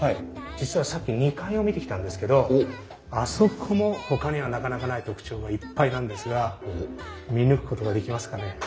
実はさっき２階を見てきたんですけどあそこもほかにはなかなかない特徴がいっぱいなんですが見抜くことができますかね？